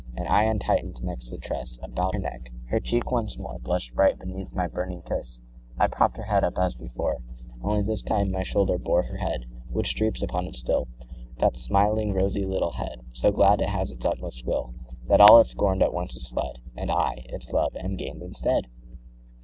45 And I untighten'd next the tress About her neck; her cheek once more Blush'd bright beneath my burning kiss: I propp'd her head up as before, Only, this time my shoulder bore 50 Her head, which droops upon it still: The smiling rosy little head, So glad it has its utmost will, That all it scorn'd at once is fled, And I, its love, am gain'd instead!